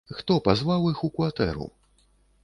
Хто пазваў іх у кватэру?